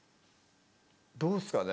どうっすかね？